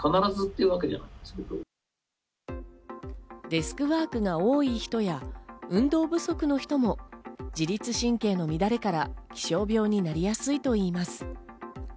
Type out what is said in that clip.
デスクワークが多い人や、運動不足の人も自律神経の乱れから気象病になりやすいといいます。